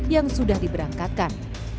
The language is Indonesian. yang sudah diberangkatkan